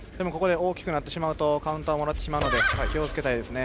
大きくなってしまうとカウンターをもらってしまうので気をつけたいですね。